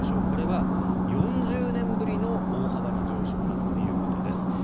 これは４０年ぶりの大幅な上昇だということです。